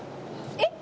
えっ？